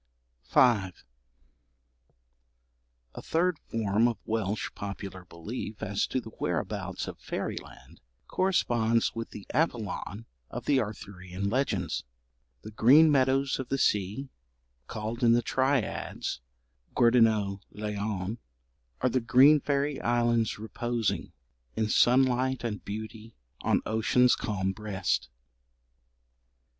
FOOTNOTE: 'Greal' (8vo. London, 1805), p. 337. V. A third form of Welsh popular belief as to the whereabouts of fairyland corresponds with the Avalon of the Arthurian legends. The green meadows of the sea, called in the triads Gwerddonau Llion, are the Green fairy islands, reposing, In sunlight and beauty on ocean's calm breast.